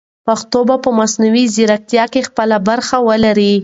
پښتو به په مصنوعي ځیرکتیا کې خپله برخه ولري.